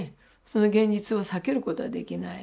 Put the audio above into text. その現実を避けることはできない。